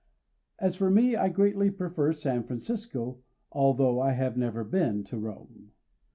As for me I greatly prefer San Francisco, although I have never been to Rome.